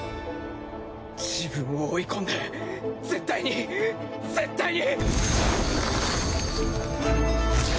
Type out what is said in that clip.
自分を追い込んで絶対に絶対に